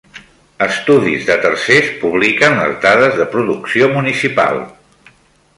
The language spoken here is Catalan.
Estudis de tercers publiquen les dades de producció municipal.